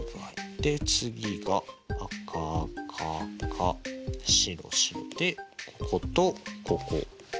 で次が赤赤赤白白でこことここ。